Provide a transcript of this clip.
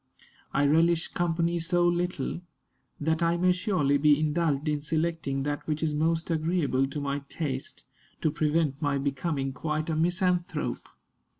I relish company so little, that I may surely be indulged in selecting that which is most agreeable to my taste, to prevent my becoming quite a misanthrope."